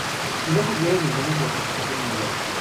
No figura en ninguna clasificación mundial.